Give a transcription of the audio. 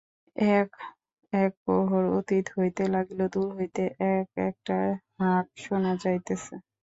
এক-এক প্রহর অতীত হইতে লাগিল, দূর হইতে এক-একটা হাঁক শোনা যাইতেছে।